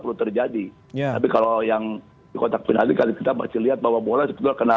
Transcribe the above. perlu terjadi tapi kalau yang di kotak penalti kali kita masih lihat bahwa bola sebetulnya kena